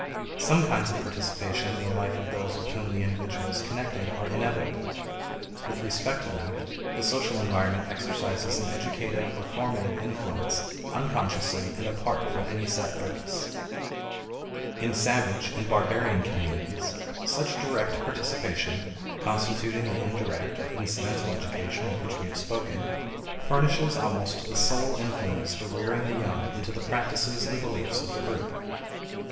Some kinds of participation in the life of those with whom the individual is connected are inevitable; with respect to them, the social environment exercises an educative or formative influence unconsciously and apart from any set purpose. In savage and barbarian communities, such direct participation (constituting the indirect or incidental education of which we have spoken) furnishes almost the sole influence for rearing the young into the practices and beliefs of the group.